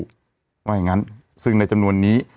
ว่าอย่างนั้นซึ่งในจำนวนนี้